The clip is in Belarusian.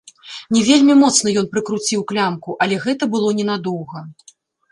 Не вельмі моцна ён прыкруціў клямку, але гэта было ненадоўга.